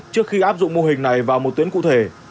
trước khi áp dụng mô hình này vào một tuyến cụ thể